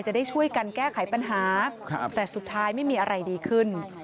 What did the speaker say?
จะได้ช่วยกันแก้ไขปัญหาแต่สุดท้ายไม่มีอะไรดีขึ้น